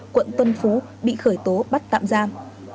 quận tuân phú bị khởi tố bắt tạm giam